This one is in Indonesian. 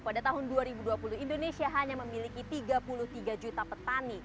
pada tahun dua ribu dua puluh indonesia hanya memiliki tiga puluh tiga juta petani